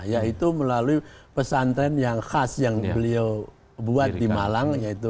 yaitu melalui pesantren yang khas yang beliau buat di malang yaitu